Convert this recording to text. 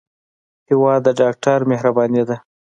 هېواد د ډاکټر مهرباني ده.